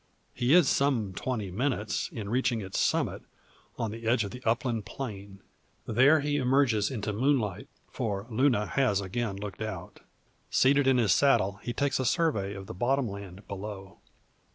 He is some twenty minutes in reaching its summit, on the edge of the upland plain. There he emerges into moonlight; for Luna has again looked out. Seated in his saddle he takes a survey of the bottom land below.